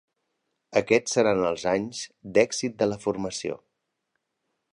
Aquests seran els anys d'èxit de la formació.